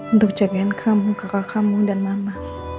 untuk jagain kamu kakak kamu dan mama